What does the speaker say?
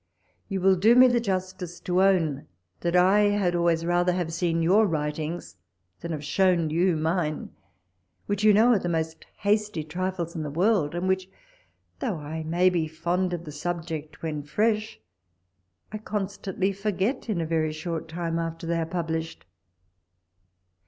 You will do me the justice to own that 1 had always rather have seen your writings than have shown you mine ; which you know are the most hasty trifles in the world, and which though I may be fond of the subject when fresh, I constantly forget in a very short time after they are published.